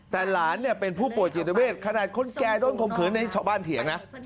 แต่หลานเนี่ยเป็นผู้ป่วยจิตเวทขนาดคนแก่โดนข่มขืนในชาวบ้านเถียงนะ